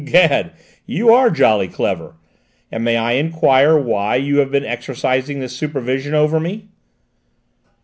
Gad, you are jolly clever! And may I enquire why you have been exercising this supervision over me?"